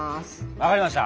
わかりました！